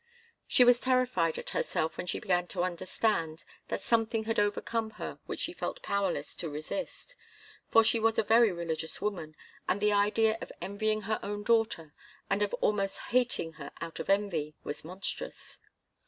She was terrified at herself when she began to understand that something had overcome her which she felt powerless to resist. For she was a very religious woman, and the idea of envying her own daughter, and of almost hating her out of envy, was monstrous.